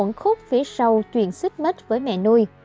những ổn khúc phía sau truyền xích mất với mẹ nuôi